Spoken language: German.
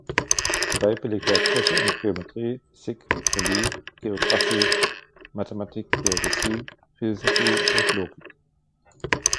Dabei belegte er Kurse in Geometrie, Physik, Chemie, Geographie, Mathematik, Geodäsie, Philosophie und Logik.